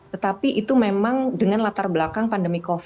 tetapi itu memang dengan latar belakang pandemi covid ya